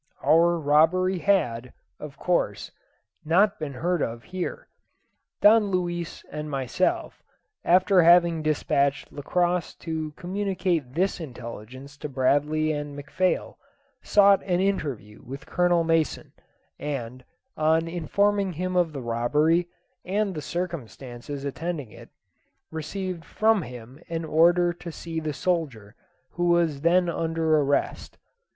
Our robbery had, of course, not been heard of here. Don Luis and myself, after having dispatched Lacosse to communicate this intelligence to Bradley and McPhail, sought an interview with Colonel Mason, and, on informing him of the robbery and the circumstances attending it, received from him an order to see the soldier who was then under arrest.